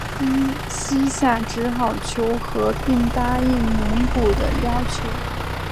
西夏只好求和并答应蒙古的要求。